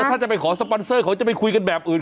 ถ้าจะไปขอสปอนเซอร์เขาจะไปคุยกันแบบอื่น